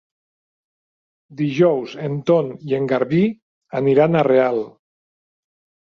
Dijous en Ton i en Garbí aniran a Real.